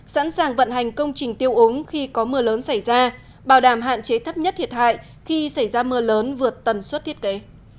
sẵn sàng vận hành công trình tiêu ống khi có mưa lớn xảy ra bảo đảm hạn chế thấp nhất thiệt hại khi xảy ra mưa lớn vượt tần suất thiết kế